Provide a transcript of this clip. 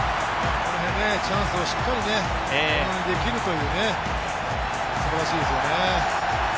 これでチャンスをしっかりものにできるというね、すばらしいですよね。